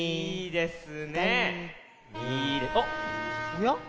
おや？